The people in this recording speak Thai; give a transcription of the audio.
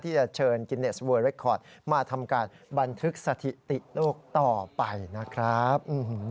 ที่จะเชิญกิเนสเวอร์เรคคอร์ดมาทำการบันทึกสถิติโลกต่อไปนะครับ